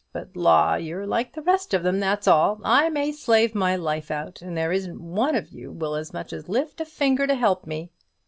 But, law, you're like the rest of them, that's all! I may slave my life out, and there isn't one of you will as much as lift a finger to help me."